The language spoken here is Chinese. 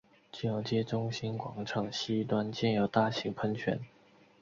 金融街中心广场西端建有大型喷泉。